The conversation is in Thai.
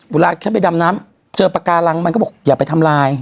เวลาแค่ไปดำน้ำเจอปากการังมันก็บอกอย่าไปทำลาย